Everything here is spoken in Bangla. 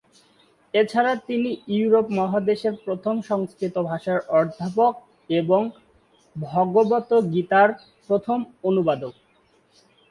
এছাড়া তিনি ইউরোপ মহাদেশের প্রথম সংস্কৃত ভাষার অধ্যাপক এবং "ভগবত গীতা"র প্রথম অনুবাদক।